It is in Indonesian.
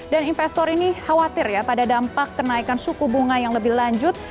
dan investor ini khawatir ya pada dampak kenaikan suku bunga yang lebih lanjut